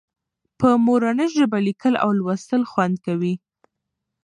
په مورنۍ ژبه لیکل او لوستل خوند کوي.